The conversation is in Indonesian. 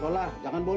pasti dah sidik dipukul